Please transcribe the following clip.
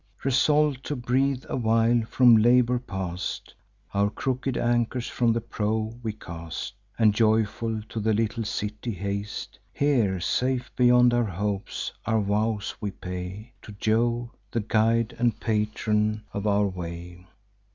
Resolv'd to breathe a while from labour past, Our crooked anchors from the prow we cast, And joyful to the little city haste. Here, safe beyond our hopes, our vows we pay To Jove, the guide and patron of our way.